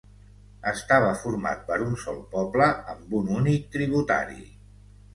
Estava format per un sol poble amb un únic tributari.